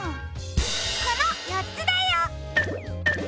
このよっつだよ！